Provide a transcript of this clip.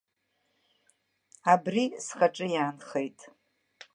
Абри схаҿы иаанхеит.